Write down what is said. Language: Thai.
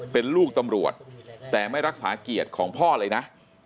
เป็นลูกตำรวจแต่ไม่รักษาเกียรติของพ่อเลยนะ